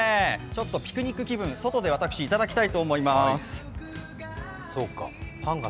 ちょっとピクニック気分、外で私、頂きたいと思います。